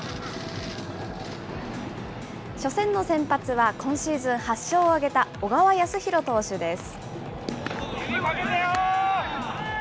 初戦の先発は今シーズン８勝を挙げた小川泰弘投手です。